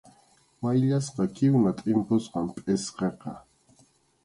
Mayllasqa kinwa tʼimpusqam pʼsqiqa.